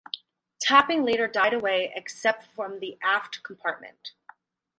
Tapping later died away except from the aft compartment.